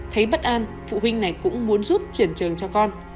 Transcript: thấy bất an phụ huynh này cũng muốn giúp chuyển trường cho con